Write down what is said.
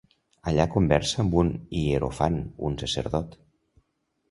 Allà conversa amb un hierofant, un sacerdot.